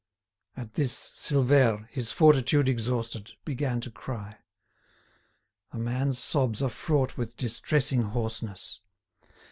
At this Silvère, his fortitude exhausted, began to cry. A man's sobs are fraught with distressing hoarseness.